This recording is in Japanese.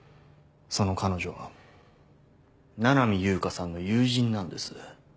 その彼女は七海悠香さんの友人なんです。